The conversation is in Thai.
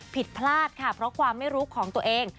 ผิดพลาดค่ะเพราะความไม่รู้ของตัวเอง